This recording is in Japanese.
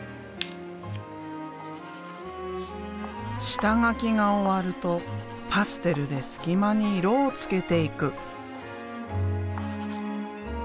下書きが終わるとパステルで隙間に色をつけていく。